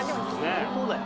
相当だよ。